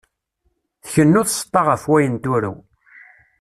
Tkennu tseṭṭa ɣef wayen turew.